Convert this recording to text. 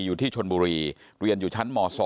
อยู่ที่ชนบุรีเรียนอยู่ชั้นม๒